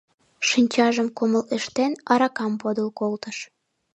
Шинчажым кумык ыштен, аракам подыл колтыш.